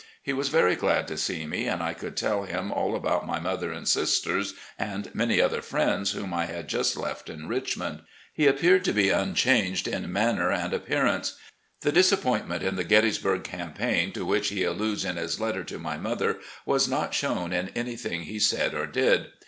He was very glad to see me, and I could tell him all about my mother and sisters, and many other friends whom I THE ARMY OF NORTHERN VIRGINIA 103 had just left in Richmond. He appeared to be unchanged in manner and appearance. The disappointment in the Gettysburg campaign, to which he alludes in his letter to my mother, was not shown in anything he said or did.